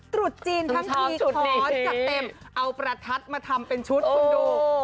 ตรุษจีนทั้งทีขอจัดเต็มเอาประทัดมาทำเป็นชุดคุณดู